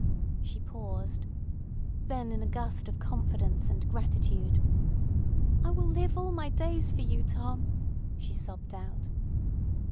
..." She paused. Then in a gust of confidence and gratitude, "I will live all my days for you, Tom!" she sobbed out.